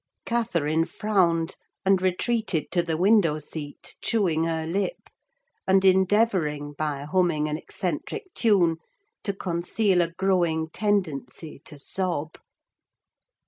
Catherine frowned, and retreated to the window seat chewing her lip, and endeavouring, by humming an eccentric tune, to conceal a growing tendency to sob.